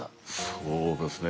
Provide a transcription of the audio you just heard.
そうですね。